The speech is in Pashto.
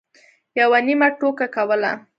یوه نیمه ټوکه کوله.